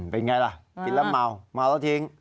เป็นไงล่ะกินแล้วเมาเมาแล้วทิ้ง